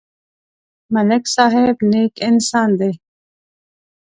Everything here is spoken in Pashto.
ملک صاحب نېک انسان دی.